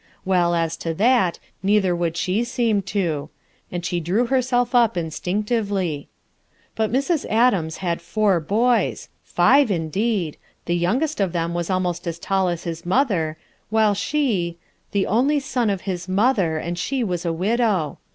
Well, as to that, neither would she seem to ; and she drew herself up instinctively. But Mrs. Adams had four boys; five, indeed; the youngest of them was almost as tall as his mother, while she — "The only son of his mother, and she was a widow."